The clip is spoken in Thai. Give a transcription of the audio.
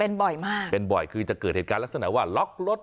เป็นบ่อยมากเป็นบ่อยคือจะเกิดเหตุการณ์ลักษณะว่าล็อกรถ